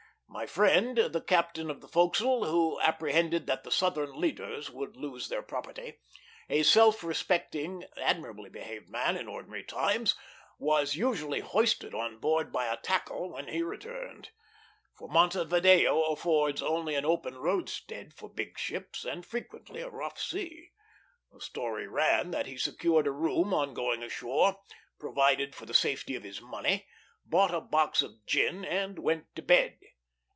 My friend, the captain of the forecastle, who apprehended that the Southern leaders would lose their property, a self respecting, admirably behaved man in ordinary times, was usually hoisted on board by a tackle when he returned: for Montevideo affords only an open roadstead for big ships, and frequently a rough sea. The story ran that he secured a room on going ashore, provided for the safety of his money, bought a box of gin, and went to bed.